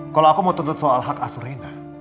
kalau aku mau tuntut soal hak asurinda